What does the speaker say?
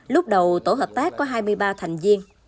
lúc đầu tổ hợp tác có hai mươi ba thành viên